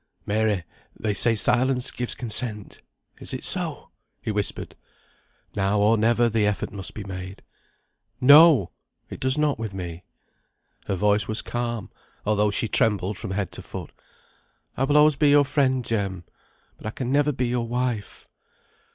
"Mary, they say silence gives consent; is it so?" he whispered. Now or never the effort must be made. "No! it does not with me." Her voice was calm, although she trembled from head to foot. "I will always be your friend, Jem, but I can never be your wife."